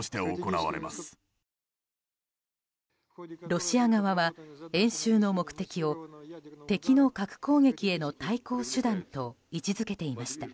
ロシア側は演習の目的を敵の核攻撃への対抗手段と位置付けていました。